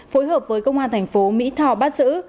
phối hợp với công an tp mỹ thò bắt giữ